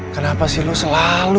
kenapa sih lo selalu